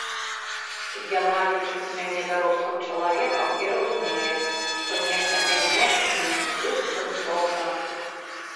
Яна лічыць мяне дарослым чалавекам і разумее, што нешта мяняць мне бессэнсоўна.